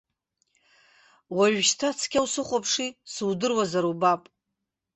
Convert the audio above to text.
Уажәшьҭа цқьа усыхәаԥши судыруазар убап.